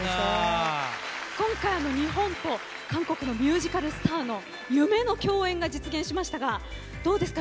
今回、日本と韓国のミュージカルスターの夢の共演が実現しましたがどうですか？